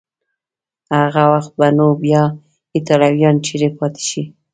هغه وخت به نو بیا ایټالویان چیري پاتې شي؟